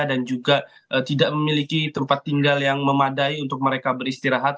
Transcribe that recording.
dan juga tidak memiliki tempat tinggal yang memadai untuk mereka beristirahat